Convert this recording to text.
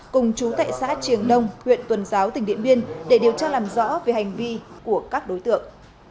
cùng chú tại xã triềng đông huyện tuần giáo tỉnh điện biên để điều tra làm rõ về hành vi của các đối tượng